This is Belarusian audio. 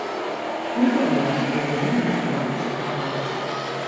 Не хаваю, што ў мяне ёсць беларуская кроў.